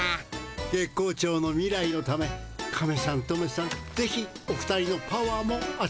月光町の未来のためカメさんトメさんぜひお二人のパワーもあつめさせてください。